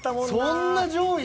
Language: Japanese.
そんな上位？